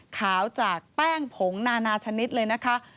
ขาวจากแป้งผงนานาชนิดเลยนะคะ